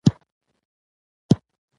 چې هغوی به خپل کار ترسره کوي